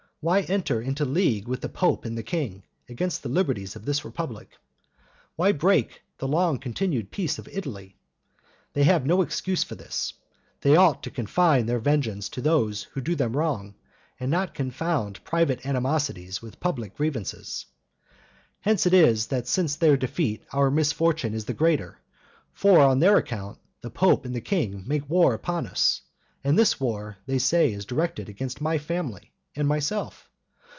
Why enter into league with the pope and the king, against the liberties of this republic? Why break the long continued peace of Italy? They have no excuse for this; they ought to confine their vengeance to those who do them wrong, and not confound private animosities with public grievances. Hence it is that since their defeat our misfortune is the greater; for on their account the pope and the king make war upon us, and this war, they say, is directed against my family and myself.